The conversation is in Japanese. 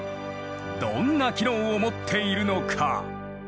どんな機能を持っているのか？